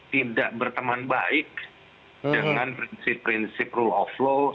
tidak berteman baik dengan prinsip prinsip rule of law